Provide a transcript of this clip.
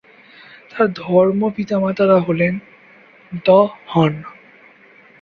তার ধর্ম পিতা-মাতা'রা হলেন দ্য হন।